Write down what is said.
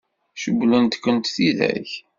Cewwlent-kent tidak?